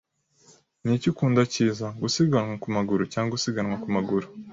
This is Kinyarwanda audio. Niki ukunda cyiza, gusiganwa ku maguru cyangwa gusiganwa ku maguru?